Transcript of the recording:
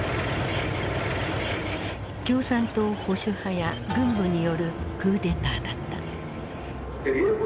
共産党保守派や軍部によるクーデターだった。